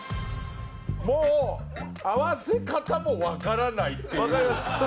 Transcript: もう合わせ方もわからないっていう。